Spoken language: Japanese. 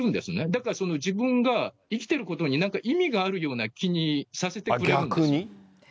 だから、自分が生きていることに、なんか意味があるような気にさせてくれ逆に？